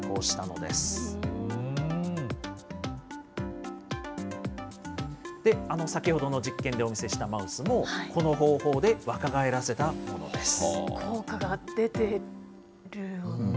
で、先ほどの実験でお見せしたマウスも、この方法で若返らせたもので効果が出てる。